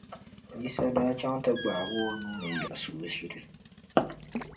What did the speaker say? Yisa daa chaŋ ti gbaagi o nuu ni yiɣis’ o ʒili.